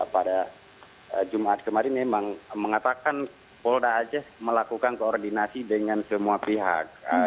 pada jumat kemarin memang mengatakan polda aceh melakukan koordinasi dengan semua pihak